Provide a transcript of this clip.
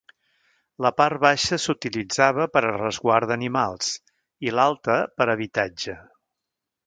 La part baixa s'utilitzava per a resguard d'animals i l'alta per a habitatge.